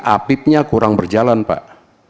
apipnya kurang berjalan pak